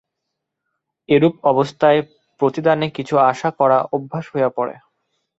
এরূপ অবস্থায় প্রতিদানে কিছু আশা করা অভ্যাস হইয়া পড়ে।